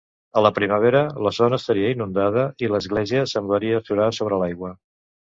A la primavera, la zona estaria inundada, i l'església semblaria surar sobre l'aigua.